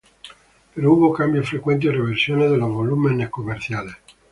Pero hubo cambios frecuentes y reversiones de los volúmenes comerciales.